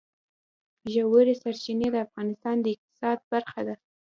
ژورې سرچینې د افغانستان د اقتصاد برخه ده.